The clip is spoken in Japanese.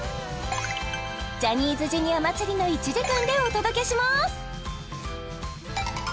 ジャニーズＪｒ．祭りの１時間でお届けします